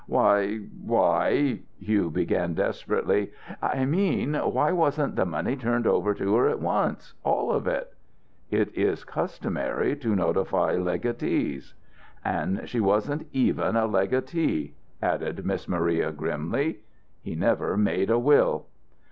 "Why why " Hugh began, desperately. "I mean, why wasn't the money turned over to her at once all of it?" "It is customary to notify legatees." "And she wasn't even a legatee," added Miss Maria, grimly. He never made a will."